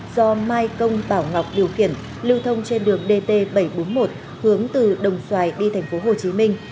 do mai công bảo ngọc điều khiển lưu thông trên đường dt bảy trăm bốn mươi một hướng từ đồng xoài đi thành phố hồ chí minh